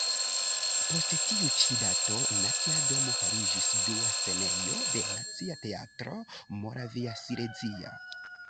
Post tiu ĉi dato Nacia domo fariĝis dua scenejo de Nacia teatro moraviasilezia.